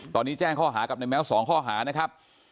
ตอนนี้แจ้งข้อหากับในแม้ว๒ข้อหานะครับ